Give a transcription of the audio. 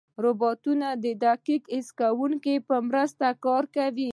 روبوټونه د دقیق حس کوونکو په مرسته کار کوي.